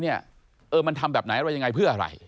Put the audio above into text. เออมันทำแบบไหนทำแบบไหนอย่างไรเพื่ออะไร